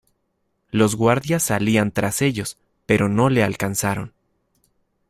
Los guardias salían tras ellos pero no le alcanzaron.